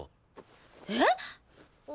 えっ！？